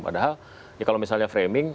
padahal kalau misalnya framing